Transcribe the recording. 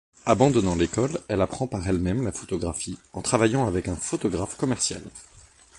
Abandonnant l'école, elle apprend par elle-même la photographie en travaillant avec un photographe commercial.